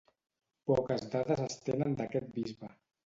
Poques dades es tenen d'aquest bisbe.